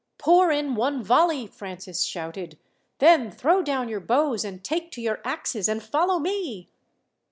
"Pour in one volley," Francis shouted; "then throw down your bows, and take to your axes and follow me."